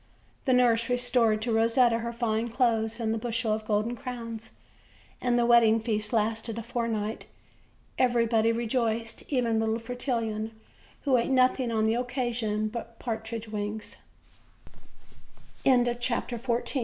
The nurse restored to Rosetta her fine clothes, and the bushel of golden crowns, and the wedding feast lasted a fortnight. Everybody re joiced, even little Fretillon, who ate nothing on the occa sion but partridge wings. OLD, OLD FAI